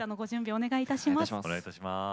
お願いいたします。